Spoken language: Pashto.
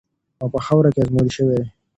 او په خاوره کې ازمویل شوې.